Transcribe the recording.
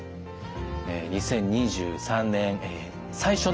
２０２３年最初の回です。